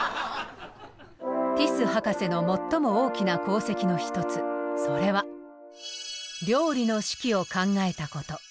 ティス博士の最も大きな功績の一つそれは料理の式を考えたこと。